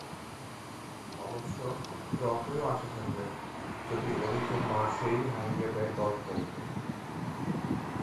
অবশ্য ড্র করেও আশা থাকবে, যদি ওদিকে মার্শেই হারিয়ে দেয় ডর্টমুন্ডকে।